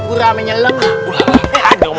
gura menyeleng nah